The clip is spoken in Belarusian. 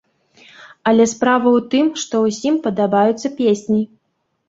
Але справа ў тым, што ўсім падабаюцца песні.